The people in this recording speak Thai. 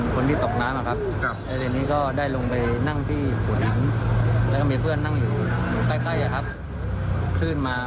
ขอไปช่วยทีนี้กำลังจะดึงขึ้นมา